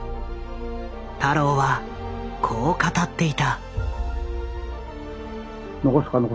太郎はこう語っていた。